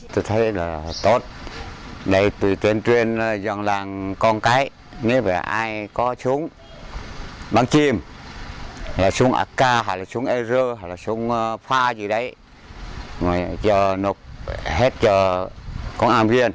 tôi thấy là tốt đây tùy tuyên truyền dòng làng con cái nếu phải ai có súng bắn chim súng ak súng ar súng pha gì đấy nó sẽ nộp hết cho con am viên